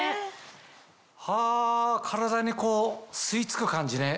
はぁ体に吸い付く感じね。